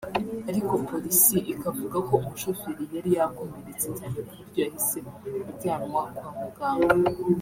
ariko polisi ikavuga ko umushoferi yari yakomeretse cyane ku buryo yahise ajyanwa kwa muganga